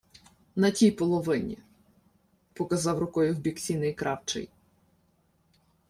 — На тій половині, — показав рукою в бік сіней кравчий.